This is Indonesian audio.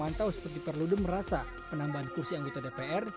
yang tahu seperti perlode merasa penambahan kursi anggota dpr